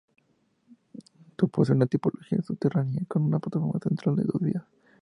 Posee una tipología subterránea con una plataforma central y dos vías.